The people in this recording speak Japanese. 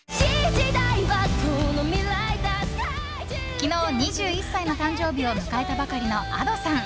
昨日、２１歳の誕生日を迎えたばかりのＡｄｏさん。